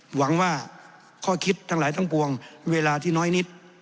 หวังว่าข้อคิดทั้งหลายทั้งปวงเวลาที่น้อยนิด